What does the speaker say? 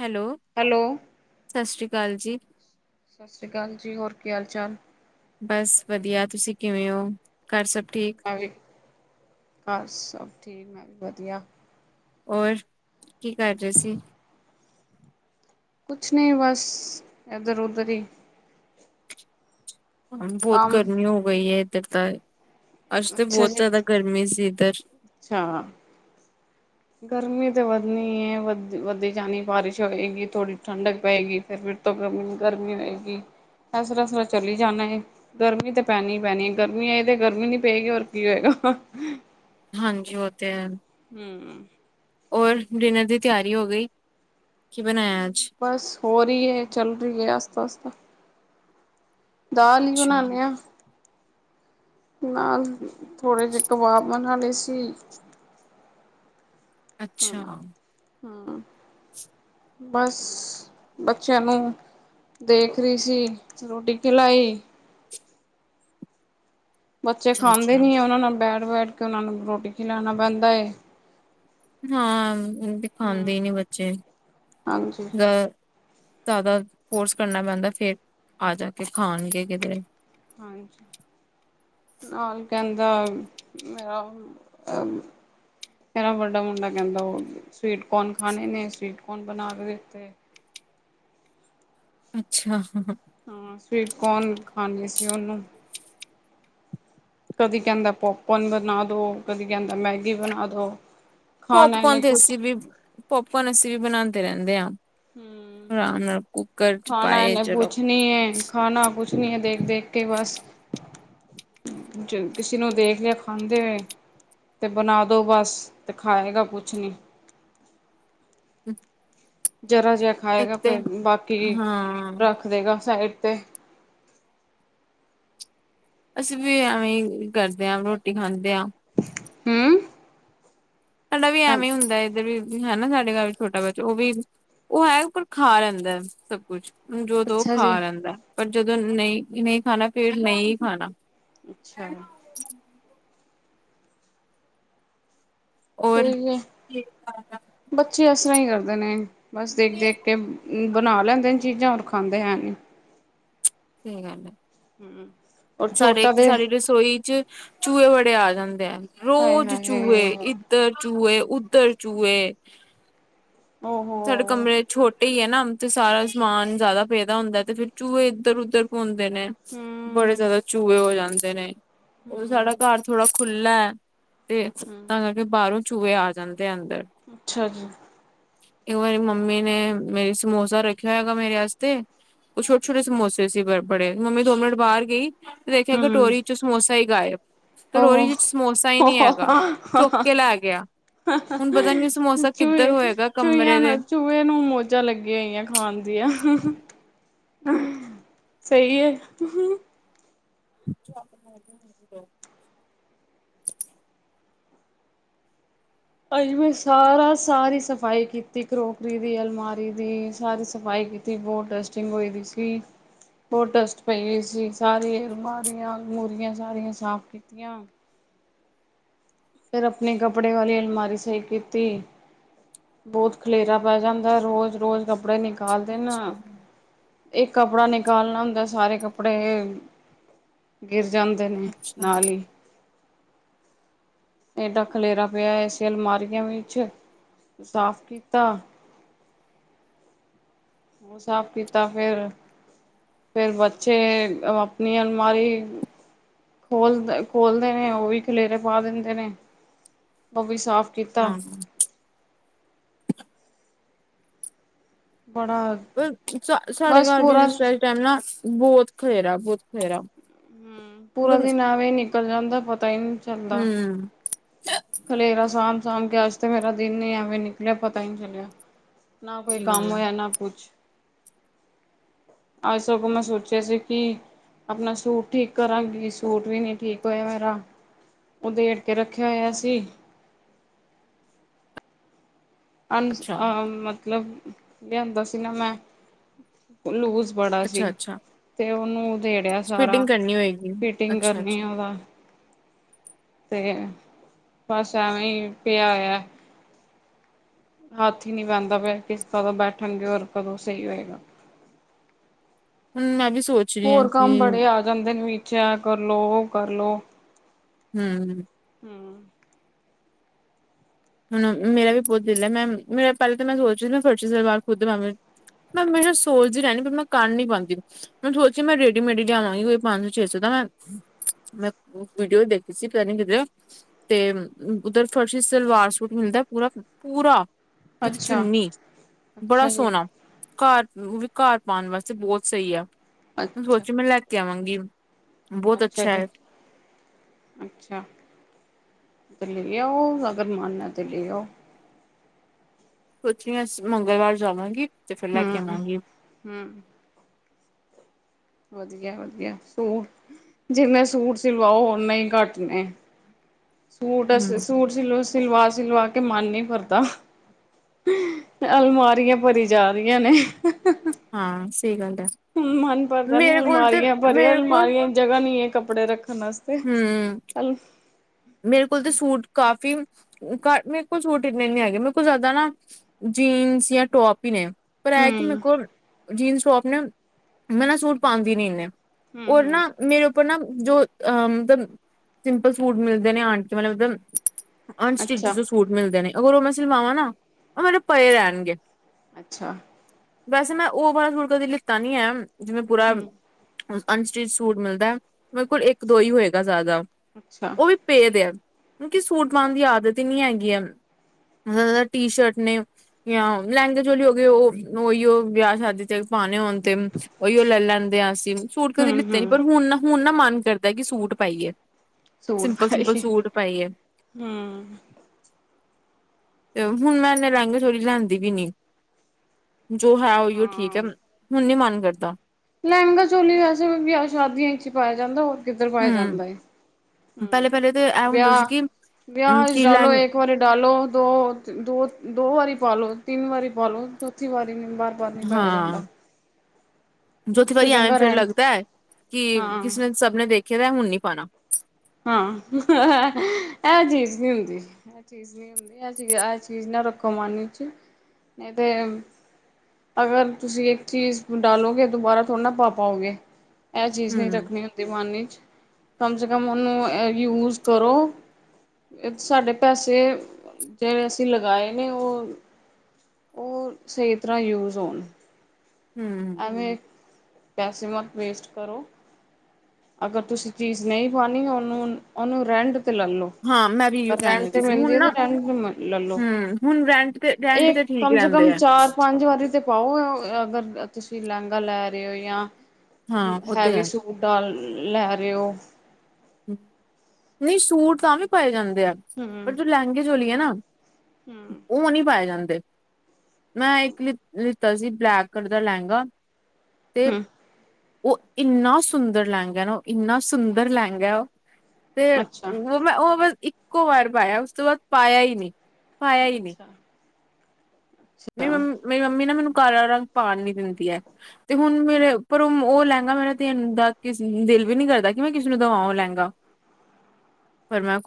Hello hello, ਸਤਿ ਸ਼੍ਰੀ। ਅਕਾਲ ਜੀ। ਸਤਿ ਸ੍ਰੀ ਅਕਾਲ ਜੀ ਹੋਰ ਕੀ ਹਾਲ ਚਾਲ? ਬਸ ਵਧੀਆ ਤੁਸੀਂ ਕਿਵੇਂ ਹੋ? ਘਰ ਸਭ ਠੀਕ? ਹਾਂ ਸਭ। ਠੀਕ ਮੈਂ ਵੀ ਵਧੀਆ। ਔਰ ਕੀ ਕਰ ਰਹੇ ਸੀ? ਕੁਛ ਨਹੀਂ ਬਸ ਇੱਧਰ ਉਧਰ ਹੀ। ਬਹੁਤ ਕੰਮ ਗਰਮੀ ਹੋ ਗਈ ਏ। ਤੀਰ ਤਾਂ ਏ। ਅੱਜ ਤੇ ਅੱਛਾ ਬਹੁਤ ਜੀ, ਜ਼ਿਆਦਾ ਗਰਮੀ ਸੀ। ਤੀਰ। ਅੱਛਾ ਗਰਮੀ ਤਾਂ ਵਧਣੀ ਵੱਧ ਵੱਧਦੀ ਜਾਣੀ ਬਾਰਿਸ਼ ਹੋਏਗੀ ਥੋੜੀ ਠੰਡਕ ਪਏਗੀ ਫਿਰ ਫਿਰ ਤੋਂ ਗਰਮੀ ਗਰਮੀ ਹੋਏਗੀ ਇਸ ਤਰ੍ਹਾਂ ਚੱਲ ਜਾਣਾ ਹੈ ਗਰਮੀ ਤਾਂ ਪੈਣੀ ਪੈਣੀ ਹੈ ਗਰਮੀ ਇਹ ਤੇ ਗਰਮੀ ਨੀ ਪਏਗੀ ਔਰ ਕੀ ਹੋਏਗਾ। ਹਾਂਜੀ ਉਹ ਤੇ ਹੈ। ਹੂੰ ਔਰ ਡਿਨਰ ਦੀ ਤਿਆਰੀ ਹੋ ਗਈ? ਕੀ ਬਣਾਇਆ ਅੱਜ? ਬਸ ਹੋ ਰਹੀ ਹੈ ਚੱਲ ਰਹੀ [unintelligible] ਦਾਲ ਹੀ ਅੱਛਾ, ਬਣਾਣੇ ਆ। ਨਾਲ ਥੋੜ੍ਹੇ ਜੇ ਕਬਾਬ ਬਣਾਲੇ ਸੀ। ਅੱਛਾ ਹੂੰ ਹੂੰ, ਬਸ ਬੱਚਿਆਂ ਨੂੰ ਦੇਖ ਰਹੀ ਸੀ ਰੋਟੀ ਖਿਲਾਈ। ਬੱਚੇ ਅੱਛਾ, ਖਾਂਦੇ ਅੱਛਾ ਨੀ ਉਹਨਾਂ ਨਾਲ ਬੇ। ਬੈਠ ਕੇ ਉਹਨਾ ਨੂੰ ਰੋਟੀ ਖਿਲਾਉਣਾ ਪੈਂਦਾ ਏ। ਹਾਂ। ਹੂੰ ਖਾਂਦੇ ਨੀ ਬੱਚੇ ਹਾਂਜੀ ਗ ਜ਼ਿਆਦਾ ਫੋਰਸ ਕਰਨਾ ਪੈਂਦਾ ਫੇਰ ਆ ਜਾ ਕੇ ਖਾਣਗੇ ਕਿਧਰੇ। ਹਾਂਜੀ, ਨਾਲ ਕਹਿੰਦਾ ਮੇਰਾ ਮੇਰਾ ਵੱਡਾ ਮੁੰਡਾ ਕਹਿੰਦਾ ਉਹ ਸਵੀਟਕੋਨ ਖਾਣੇ ਨੇ ਸਵੀਟਕੋਨ ਬਣਾ ਕੇ ਦਿੱਤੇ। ਅੱਛਾ, ਹਾਂ ਸਵੀਟ ਕੋਨ ਖਾਂਦੇ ਸੀ, ਉਹਨੂੰ ਕਦੀ ਕਹਿੰਦਾ ਪੋਪਕੋਨ ਬਣਾ ਦੋ ਕਦੀ ਕਹਿੰਦਾ ਮੈਗੀ ਬਣਾ ਦੋ। ਖਾਣਾ ਪੋਪਕੋਨ ਇਹਨੇ ਤੇ ਕੁਛ ਅਸੀਂ ਵੀ ਪੋਪਕੋਨ ਅਸੀਂ ਵੀ ਬਣਾ। ਦੇ ਰਹਿੰਦੇ ਆਾਂ। ਹੂੰ ਚ ਖਾਣਾ ਪਾਏ ਐਨੇ ਚਲੋ ਕੁਛ ਨੀ ਹੈ ਖਾਣਾ ਕੁਛ। ਕੁਛ ਨੀ ਦੇਖ ਦੇਖ, ਕੇ ਬਸ ਕਿਸੇ ਨੂੰ ਦੇਖ ਲਿਆ ਖਾਂਦੇ ਹੋਏ ਤੇ ਬਣਾ ਦੋ ਬਸ ਤੇ ਖਾਏਗਾ ਕੁਛ ਨੀ। [unintelligible] ਜ਼ਰਾ ਜਿਹਾ ਇੱਕ ਖਾਏਗਾ ਤੇ ਫਿਰ ਬਾਕੀ ਹਾਂ ਰੱਖ ਦੇਗਾ ਸਾਈਡ। [unintelligible] ਅਸੀਂ ਵੀ ਐਵੇਂ ਕਰਦੇ ਹਾਂ ਰੋਟੀ ਖਾਂਦੇ ਹਾਂ। ਹੂੰ, ਸਾਡਾ ਵੀ ਹਾਂ ਐਵੇਂ ਹੁੰਦਾ ਐਦੇ ਵੀ। ਹੈ ਨਾ ਸਾਡੇ ਘਰ ਛੋਟਾ ਬੱਚਾ ਉਹ ਵੀ ਉਹ ਹੈ ਪਰ ਖਾ ਲੈਂਦਾ ਸਭ ਕੁਛ। ਜੋਦੋ ਅੱਛਾ ਖਾ ਜੀ। ਲੈਂਦਾ ਪਰ। ਜਦੋਂ ਨਹੀਂ-ਨਹੀਂ ਖਾਣਾ ਫੇਰ ਨਹੀਂ ਖਾਣਾ। ਅੱਛਾ, ਔਰ ਸਹੀ ਹੈ ਸਹੀ ਬੱਚੇ ਇਸ ਤਰ੍ਹਾਂ ਹੀ ਕਰ। ਕਰਦੇ ਨੇ, ਬਸ ਦੇਖ-ਦੇਖ ਕੇ। ਬਣਾ ਲੈਂਦੇ ਨੇ ਚੀਜ਼ਾਂ ਖਾਂਦੇ ਹੈ ਨੀ। ਸਹੀ ਗੱਲ ਹੈ। ਹੂੰ ਔਰ ਸਾਡੇ ਇੱਕ ਛੋਟਾ ਤੇ ਸਾਡੀ ਰਸੋਈ ਚ ਚੂਹੇ ਬੜੇ ਆ ਜਾਂ। ਦੇ। ਹਾਏ ਰੋਜ਼ ਚੂਏ ਹਾਏ ਇੱਧਰ ਚੂਏ। ਉੱਧਰ ਚੂਏ। ਸਾਡੇ ਓਹੋ ਕਮਰੇ ਛੋ ਕੀ ਹੈ ਨਾ ਤੇ ਸਾਰਾ ਸਮਾਨ ਜ਼ਿਆਦਾ ਪੇਦਾ ਹੁੰਦਾ ਤੇ ਫੇਰ ਚੂਹੇ ਇੱਧਰ ਉੱਧਰ ਪੁਂ ਨੇ ਬੜੇ ਹੂੰ ਜ਼ਿਆਦਾ ਚੂਹੇ ਹੋ ਜਾਂਦੇ ਅਦੇ ਨੇ ਉਹ ਸਾਡਾ ਹੂੰ ਘਰ ਥੋੜਾ ਖੁੱਲਾ, ਤੇ ਹੂੰ ਤਾਂ ਕਰਕੇ ਬਾਹਰੋਂ ਚੂਹੇ ਆ ਜਾਂਣ ਅੱਛਾ ਜੀ ਇੱਕ ਵਾਰੀ ਮੰਮੀ ਨੇ ਮੇਰੀ ਸਮੋਸਾ ਰੱਖਿਆ ਹੋਏਗਾ ਮੇਰੇ ਵਸਤੇ ਕੁਛ-ਛੋਟੇ ਛੋਟੇ ਸਮੋਸੇ ਸੀ ਬ ਬੜੇ ਮੰਮੀ ਦੋ ਮਿੰਟ ਬਾਹਰ ਗਈ ਦੇਖਿਆ ਹੂੰ ਕਟੋਰੀ ਚ ਸਮੋਸਾ ਹੀ ਗਾਇਬ ਕ ਓਹੋ ਰੋਰੀ ਚ ਸਮੋਸਾ ਹੀ ਨਹੀਂੀ ਹੈਗਾ ਚੋੱਕ ਕੇ ਲੈ ਗਿਆ ਹੁਣ ਪਤਾ ਨੀ ਸਮੋਸਾ ਕਿੱਧਰ ਚੂਹੇ ਹੋਏਗਾ ਚੂਹੀਆਂ ਕਮਰੇ ਦੇ ਨਾਲ ਚੂਹੇ ਨੂੰ ਮੌੋਜਾਂ ਲੱਗੀਆਂ ਹੋਈਆਂ ਖਾਣ ਦੀਆਂ ਸਹੀ ਹੈ [inaudible] ਅਜ ਮੈਂ ਸਾਰਾ ਸਾਰੀ ਸਫ਼ਾਈ ਕੀਤੀ ਕਰੋਕਰੀ ਦੀ ਅਲਮਾਰੀ ਦੀ ਸਾਰੀ ਸਫ਼ਾਈ ਕੀਤੀ ਬਹੁਤ ਡਸਟਿੰਗ ਹੋ ਸੀ ਬਹੁਤ ਡਸਟ ਪਈ ਹੋਈ ਸੀ ਸਾਰੀ ਅਲਮਾਰੀਆਂ-ਅਲਮੂਰੀਆਂ ਸਾਰੀਆਂ ਸਾਫ ਕੀਤੀਆਂ ਫਿਰ ਆਪਣੇ ਕੱਪੜੇ ਵਾਲੀ ਅਲਮਾਰੀ ਸਹੀ ਕੀਤੀ ਬਹੁਤ ਖਲੇਰਾ ਪੈ ਜਾਂਦਾ ਰੋਜ਼-ਰੋਜ਼ ਕੱਪੜੇ ਨਿਕਲ ਖਾਲਦੇ ਨਾ ਇਹ ਕੱਪੜਾ ਨਿਕਾਲਣਾ ਹੁੰਦਾ ਸਾਰੇ ਕੱਪੜੇ, ਗਿਰ ਜਾਂਦੇ ਨੇ ਨਾਲ ਹੀ ਏਡਾ ਖਲੇਰਾ ਪਿਆ ਸੀ ਅਲਮਾਰੀਆਂ ਵਿੱਚ ਸਾਫ਼ ਕੀਤਾ ਉਹ ਸਾਫ਼ ਕੀਤਾ ਫੇਰ-ਫੇਰ ਬੱਚੇ ਆਪਣੀ ਅਲਮਾਰੀ ਖੋਲ ਖੋਲਦੇ ਨੇ ਉਹ ਵੀ ਖਲੇਰੇ ਪਾ ਦਿੰਦੇ ਨੇ ਉਹ ਵੀ ਸਾਫ਼ ਕੀਤਾ। ਹਾਂ ਬੜਾ ਪਰ ਸਾ ਸਾਡੇ ਬਸ ਘਰ ਵੀ ਪੂਰਾ ਇਸ ਵਾ ਟਾਈਮ ਨਾ ਬਹੁਤ ਖਲੇਰਾ ਬਹੁਤ ਖਲੇਰਾ ਹਮ, ਪੂਰਾ ਮਤਲਬ ਦਿਨ ਏਂਵੇ ਨਿਕਲ ਜਾਂਦਾ ਪਤਾ ਹੀ ਨਹੀਂ ਚੱਲਦਾ ਹੂੰ ਖਲੇਰਾ ਸਾਂਭ ਕਾਮ ਕੇ ਆਜ ਤੇ ਮੇਰਾ ਦਿਨ ਹੀਂ ਏਵੇਂ ਨਿਕਲਿਆ ਪਤਾ ਹੀ ਨੀ ਚਲਿਆ ਨਾ ਕੋਈ ਸਹੀ ਕੰਮ ਗੱਲ ਆ ਹੋਇਆ ਨਾ ਕੁਛ ਅੱਜ ਸਗੋਂ ਮੈਂ ਸੋਚਿਆ ਸੀ ਕਿ ਆਪਣਾ ਸੂਟ ਠੀਕ ਕਰਾਂਗੀ ਸੂਟ ਵੀ ਨਹੀਂ ਠੀਕ ਹੋਇਆ ਮੇਰਾ ਉਹ ਦੇ ਅਗੇ ਰੱਖਿਆ ਹੋਇਆ ਸੀ ਅਸਂ ਅੱਛਾ ਅ ਮਤਲਬ ਲਿਆਂਦਾ ਸੀ ਨਾ ਮੈਂ ਲੂਜ ਬੜਾ ਸੀ ਅੱਛਾ ਅੱਛਾ ਤੇ ਉਹ ਮੁਂ ਧੇੜਿਆ ਸਾਰਾ ਫਿਟਿੰਗ ਕਰਨੀ ਹੋਏਗੀ ਫਿਟਿੰਗ ਅੱਛਾ ਕਰਨੀ ਅੱਛਾ ਆ ਉਹਦਾ ਤੇ ਬਸ ਏਵੇਂ ਪਿਆ ਹੋਇਆ ਹੱਥ ਹੀ ਨਹੀਂੀ ਪੈਂਦਾ ਪਿਆ ਕਿਸ ਤਰਾ ਬੈਠਣਗੇ ਰ ਕਦੋਂ ਸਹੀ ਹੋਏਗਾ ਹੁਣ ਮੈਂ ਵੀ ਸੋਚ ਰਹੀ ਹਾਂ ਹੋਰ ਕੰਮ ਕਿ ਬੜੇ ਆ ਜਾਂਦੇ ਨੇ ਵੀਚ ਚੈਕ ਕਰ ਲਓ ਉਹ ਕਰ ਲਓ ਹਮ [inaudible] ਮੈਂ ਮੇਰਾ ਵੀ ਬਹੁਤ ਦਿਲ ਹੈ ਮੈਂ ਮੇਰਾ ਪਹਿਲਾਂ ਤਾਂ ਮੈਂ ਸੋਚ ਸੀ ਮੈਂ ਫਰਸ਼ੀ ਸਲਵਾਰ ਖੁਦੈਂ ਮੇ ਸੋਚਦੀ ਰਹਦੀ ਪਰ ਮੈਂ ਕਰ ਨੀ ਪਾਉਂਦੀ ਮ ਸੋਚ ਮੈਂ ਰੇਡੀਮੇਡ ਹੀ ਲਿਆਵਾਂਗੀ ਕੋਈ ਪੰਜ ਸੌ ਛੇ ਸੌ ਦਾ ਮੈਂ ਮੈਂ ਵੀਡੀਓ ਦੇਖੀ ਸੀ ਕ ਕਿਧ ਤੇ ਉਧਰ ਫਰਸ਼ੀ ਸਲਵਾਰ ਸੂ ਸੂ ਮਿਲਦਾ ਪੂਰਾ-ਪੂਰਾ- ਵਿਚ ਅੱਛਾ ਚੁੰਨੀ ਬੜਾ ਅੱਛਾ ਜੀ ਸੋਹਣਾ ਘਰ ਉਹ ਵੀ ਘਰ ਪਾਉਣ ਵਾਸਤੇ ਬਹੁਤ ਸਹੀ ਹੈ ਮ ਅੱਛਾ ਸੋਚ ਮੈਨ ਲੈ ਕੇ ਕੈਵਾਂਗੀ ਅੱਛਾ ਜੀ, ਅੱਛਾ ਤੇ ਲੇ ਆਓ ਅਗਰ ਮੰਨ ਹੈ ਤੇ ਲੇ ਆਓ ਸਚੀ ਅਐ ਮੰਗਲਵਾਰ ਜਾਵਾਂਗੇ ਤੇ ਫਿਰ ਲੈ ਕੇ ਹਮ ਆਵਾਂਗੀਂ ਵਧੀਆ-ਵਧੀਆ ਸੂਟ ਜਿੰਨੇ ਸੂਟ ਸਿਲਵਾਓ ਓਨੇ ਹੀ ਘੱਟ ਨੇ ਸੂਟ ਸ ਹਮ ਸੂਟ ਸਿਲ ਸਿਲਵਾ ਸਿਲਵਾ ਕੇ ਮਨ ਨੀ ਭਰਦਾ ਅਲਮਾਰੀਆਂ ਭਰੀ ਜਾ ਰਹੀਆਂ ਨੇ ਹਾਂ ਸਹੀ ਗੱਲ ਹੈ ਮਨ ਭਰਦਾ ਨੀ ਮੇਰੇ ਕੋਲ ਤੇ ਅਲਮਾਰੀਆਂ ਭਰੀਯਾਂ ਮੇਰੇ ਕੋਲ ਅਲਮਾਰੀਆਂ ਚ ਜਗ੍ਹਾ ਨਹੀਂ ਏ ਕੱਧੜੇ ਰੱਖ ਨਮਸਤੇ ਹਮ ਚੱਲ ਮੇਰੇ ਕੋਲ ਤਾਂ ਸੂਟ ਕਾਫੀ ਘਟ ਮੇਰੇ ਕੋਲ ਛੂਟ ਇੰਨੇ ਨੀ ਹੈਗੇ ਮੇਰੇ ਕੋਲ ਜ਼ਿਆਦਾ ਨਾ ਜੀਨਸ ਜਾਂ ਟੋਪ ਹੀ ਨੇ ਸੇਲ ਹੈ ਕਿ ਮੇਰੇ ਹੂੰ, ਕੋਲ ਜੀਨਸ ਟੋਪ ਨੇ ਮੈਂ ਨਾ ਸੂਟ ਪਾਉਂਦੀ ਨੀ ਇਨੇ ਉਹਰ ਹੂੰ-ਹੂੰ, ਨਾ ਮੇਰੇ ਨਾ ਜੋ ਅ ਮਤਲਬ ਸਿੰਪਲ ਸੂਟ ਮਿਲਦੇ ਦੇ ਨੇ ਆਣ ਕੇ ਮਤਲਬ ਉਦ ਅਨਸਟਿਕ ਚ ਜੋ ਅੱਛਾ-ਅੱਛਾ, ਸੂਟ ਮਿਲਦੇ ਨੇ ਅਗਰੋਂ ਮੈਂ ਸਿਲਵਾਵਾਂ ਨਾ ਉਹ ਮੇਰੇ ਪਏ ਰਹਿਣਗੇ ਅੱਛਾ ਵੈਸੇ ਮੈਂ ਉਹ ਵਾਲਾ ਸੂਟ ਕਦੇ ਲਿਤਾ ਨੀ ਹੈ ਜਿਵੇਂ ਪੂਰਾ ਹੂੰ, ਅਨਸਟਿਚ ਸੂਟ ਮਿਲਦਾ ਮੇਰੇ ਕੋਲ ਇੱਕ ਦੋ ਹੀ ਹੋਏਗਾ ਜ਼ਿਆਦਾ। ਅੱਛਾ। ਇਹਦੇ ਕਿਉਂਕਿ ਸੂਟ ਅੱਛਾ, ਪਾਉਣ ਦੀ ਆਦਤ ਹੀ ਨਹੀਂ ਹੈਗੀ। ਟੀ ਸ਼ਰਟ ਨੇ ਜਾਂ ਲਹਿੰਗੇ ਚੋਲੀ ਹੋ ਗਏ ਓਹੀਓ ਵਿਆਹ ਸ਼ਾਦੀ ਚ ਪਾਣੇ ਹੋਣ ਤੇ ਉਹੀਓ ਲੈ ਲੈਂਦੇ ਅ ਸੂਟ ਕਦੇ ਲਿੱਤੇ ਨੀ ਹੂੰ-ਹੂੰ, ਪਰ ਹੁਣ ਨਾ ਹੁਣ ਨਾ ਮਨ ਕਰਦਾ ਕਿ ਸੂਟ ਪਾਈਏ। ਸੂਟ। ਸਿੰਪਲ ਸਿੰਪਲ ਪਾਏ, ਸੂਟ ਪਾਈਏ। ਹੂੰ, ਤੇ ਹੁਣ ਮੈਂ ਇਨ੍ਹੇ ਲਹਿੰਗੇ ਥੋੜ੍ਹੀ ਲੈਂਦੀ ਵੀ ਨ੍ਹੀਂ। ਜੋ ਹੈ ਉਹੀਓ ਠੀਕ ਹਾਂ। ਐ ਹੁਣ ਨੀ ਮਨ ਕਰਦਾ। ਲਹਿੰਗਾ ਚੋਲੀ ਵੈਸੇ ਵਿਆਹ ਸ਼ਾਦੀਆਂ ਚ ਈ ਪਾਇਆ ਜਾਂਦਾ ਹੋ ਕਿੱਧਰ ਪਾਇਆ ਹਮ ਜਾਂਦਾ ਐ। ਹੂੰ, ਪਹਿਲੇ ਪਹਿਲੇ ਤੇ ਇਹ ਹੁੰਦਾ ਸੀ ਵਿਆਹ ਕਿ ਵਿਆਹ ਵਿੱਚ ਕਿ ਲੈ ਡਾਲੋ ਇੱਕ ਵਾਰੀ ਡਾਲੋ ਦੋ, ਦੋ ਦੋ ਵਾਰੀ ਪਾਲੋ ਤਿੰਨ ਵਾਰੀ ਪਾ ਲਓ ਚੌਥੀ ਵਾਰ ਨੂੰ ਬਾਰ-ਬਾਰ ਨੀਂ ਪਾਇਆ ਜਾਂਦਾ। ਚੋਥੀ ਇਸ ਤੋਂ ਵਾਰੀ ਐਵੇਂ ਚੰਗਾ ਫੇਰ ਰੈਂਟ ਲੱਗਦਾ ਕਿ ਹਾਂ, ਕਿਸੇ ਨੇ ਸਭ ਨੇ ਦੇਖਿ ਫਿਰ ਏ ਹੁਣ ਨੀ ਪਾਣਾ। ਹਾਂ, [unintelligible] ਇਹ ਚੀਜ਼ ਨ੍ਹੀਂ ਹੁੰਦੀ, ਇਹ ਚੀਜ਼ ਨ੍ਹੀਂ ਹੁੰਦੀ ਇਹ ਚ ਇਹ ਚੀਜ਼ ਨਾ ਰੱਖੋ ਮਨ ਇਚ ਨਹੀਂ ਤੇ ਅਗਰ ਤੁਸੀਂ ਇੱਕ ਚੀਜ਼ ਡਾਲੋਗੇ ਦੁਬਾਰਾ ਥੋੜ੍ਹਾ ਨਾਂ ਪਾ ਪਾਓਗੇ। ਇਹ ਚੀਜ਼ ਨ੍ਹੀਂ ਹਮ ਰੱਖਣੀ ਹੁੰਦੀ ਮਨ ਇੱਚ ਕਮ ਸੇ ਕ ਕੰਮ ਉਹਨੂੰ ਯੂਜ ਕਰੋ, ਏ ਸਾਡੇ ਪੈਸੇ ਜਿਹੜੇ ਅਸੀਂ ਲਗਾਏ ਨੇ ਉਹ, ਉਹ ਸਹੀ ਤਰ੍ਹਾਂ ਯੂਜ ਹੋਣ। ਹੂੰ। ਐਵੇਂ ਪੈਸੇ ਮਤ ਵੇਸਟ ਕਰੋ ਅਗਰ ਤੁਸੀਂ ਚੀਜ਼ ਨਈਂ ਪਾਣੀ ਮੈਂ ਉਹਨੂੰ, ਉਹਨੂੰ ਰੈਂਟ ਤੇ ਤੇ ਲਲੋ ਹਾਂ ਮੈਂ ਵੀ ਇਓ ਕਹਿਣ ਰੈਂਟ ਤੇ ਲੱਗੀ ਸੀ ਮਿਲਦੀ ਹੁਣ ਐ, ਨਾ ਤੇ ਰੈਂਟ ਲਲੋ ਹਮ ਹੁਣ ਰੈਂਟ ਤੇ ਰੈਂਟ ਇਹ ਤੇ ਠੀਕ ਕਮ ਸੇ ਰਹਿੰਦੇ ਕਮ ਆ ਚਾਰ-ਪੰਜ ਵਾਰੀ ਤੇ ਪਾਓ ਅਗਰ ਤੁਸੀਂ ਤੁਸੀਂ ਲਹਿੰਗਾ ਲੈ ਰਹੇ ਹੋ ਹਾਂ ਜਾਂ ਉਹ ਤੇ ਹੈਵੀ ਹੈ ਸੂਟ ਡਾਲ ਲੈ ਰਿਓ ਨ੍ਹੀਂ ਸੂਟ ਤਾਂ ਵੀ ਪਾਏ ਜਾਂਦੇ ਹੂੰ ਪਰ ਜੋ ਲਹਿੰਗੇ ਚੋਲੀ ਐ ਨਾਂ [unintelligible] ਹੂੰ ਉਹ ਨ੍ਹੀਂ ਪਾਏ ਜਾਂ ਮੈਂ ਇੱਕ ਲਿੱਤਾ ਸੀ ਬਲੈਕ ਕਲਰ ਦਾ ਲਹਿੰਗਾ ਤੇ ਹੂੰ ਉਹ ਇੰਨਾ ਸੁੰਦਰ ਲਹਿੰਗਾ ਨਾਂ, ਉਹ ਇੰਨਾ ਸੁੰਦਰ ਲਹਿੰ ਗਾ ਉਹ ਤੇ ਅੱਛਾ ਉਹ ਮੈਂ ਉਹ ਬਸ ਇੱਕ ਇੱਕੋ ਵਾਰ ਪਾਇਆ ਉਸ ਤੋਂ ਬਾਅਦ ਪਾਇਆ ਈ ਨਹੀਂ। ਪਾਇਆ ਹੀ ਨਈਂ। ਅੱਛਾ ਮੇਰੀ ਅੱਛਾ ਮੰਮੀ ਮੇਰੀ ਮੰਮੀ ਨਾ ਮੈਨੂੰ ਕਾਲਾ ਰੰਗ ਪਾਣ ਨੀ ਦਿੰਦੀ ਹੈ ਤੇ ਹੁਣ ਮੇਰੇ ਪਰ ਉਹ ਲਹਿੰਗਾ ਮੇਰਾ ਦੇਣ ਦਾ ਕਿਸ ਦਿਲ ਵੀ ਨੀ ਕਰਦਾ ਕਿ ਮੈਂ ਕਿਸੇ ਨੂੰ ਦਵਾਂ ਉਹ ਲਹਿੰਗਾ ਪਰ ਮੈਂ ਕੋਈ